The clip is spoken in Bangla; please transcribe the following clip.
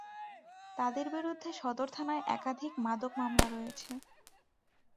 তাঁদের বিরুদ্ধে সদর থানায় একাধিক মাদক মামলা রয়েছে।